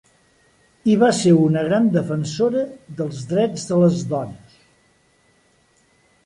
I va ser una gran defensora dels drets de les dones.